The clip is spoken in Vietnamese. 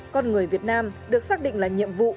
con người việt nam được xác định là nhiệm vụ